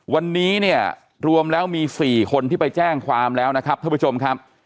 วันนี้เนี่ยรวมแล้วมี๔คนที่ไปแจ้งความแล้วนะครับท่านผู้ชมครับ